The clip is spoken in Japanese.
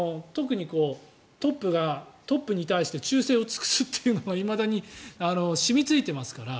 特にトップに対して忠誠を尽くすというのがいまだに染みついていますから。